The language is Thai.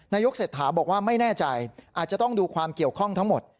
นายกเศรษฐาบอกว่าไม่แน่ใจอาจจะต้องดูความเกี่ยวข้องทั้งหมด